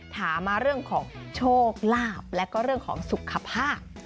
ถามมาเรื่องของโชคลาภแล้วก็เรื่องของสุขภาพ